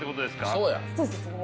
そうや。